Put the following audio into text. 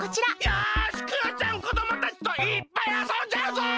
よしクヨちゃんこどもたちといっぱいあそんじゃうぞ！